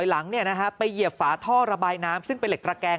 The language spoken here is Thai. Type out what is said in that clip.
มีข้อระบายน้ำซึ่งเป็นเหล็กตระแกง